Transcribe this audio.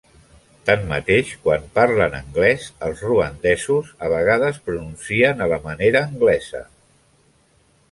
Tanmateix, quan parlen anglès, els ruandesos a vegades pronuncien a la manera anglesa.